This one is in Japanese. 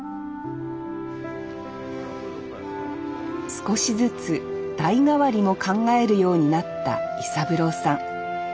少しずつ代替わりも考えるようになった伊三郎さん。